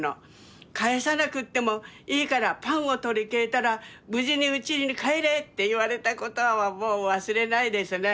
「返さなくってもいいからパンを取り替えたら無事にうちに帰れ」って言われた言葉はもう忘れないですね。